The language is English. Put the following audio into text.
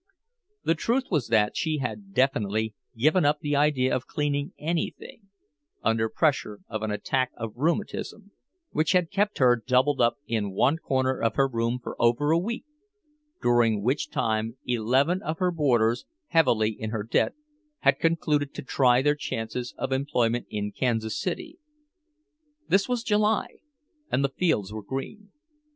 The truth was that she had definitely given up the idea of cleaning anything, under pressure of an attack of rheumatism, which had kept her doubled up in one corner of her room for over a week; during which time eleven of her boarders, heavily in her debt, had concluded to try their chances of employment in Kansas City. This was July, and the fields were green.